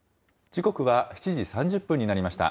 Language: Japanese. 時刻は７時３０分になりました。